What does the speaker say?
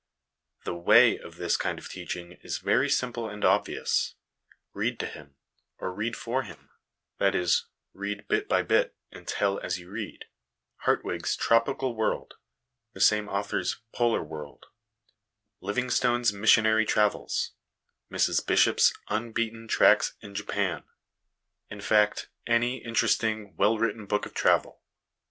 The ' way ' of this kind of teaching is very simple and obvious ; read to him, or read for him, that is, read bit by bit, and tell as you read, Hartwig's Tropical World, 1 the same author's Polar World, 1 Livingstone's missionary travels, Mrs Bishop's Unbeaten Tracks in Japan^ in fact, any interesting, well written book of travel.